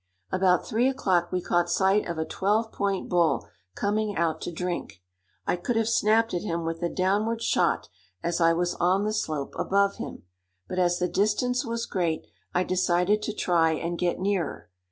About three o'clock we caught sight of a twelve point bull coming out to drink. I could have snapped at him with a downward shot, as I was on the slope above him; but as the distance was great, I decided to try and get nearer.